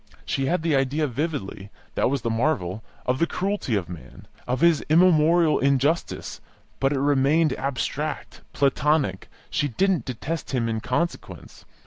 She had the idea vividly (that was the marvel) of the cruelty of man, of his immemorial injustice; but it remained abstract, platonic; she didn't detest him in consequence.